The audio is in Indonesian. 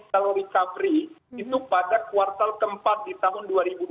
ekonomi recovery itu pada kuartal keempat di tahun dua ribu dua puluh satu